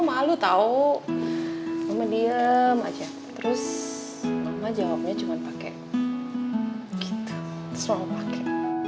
malu tau mama diem aja terus mama jawabnya cuma pake gitu terus mama pake